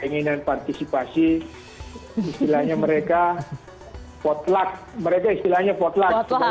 inginan partisipasi istilahnya mereka potluck mereka istilahnya potluck